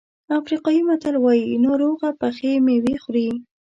افریقایي متل وایي ناروغه پخې مېوې خوري.